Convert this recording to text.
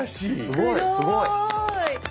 すごい。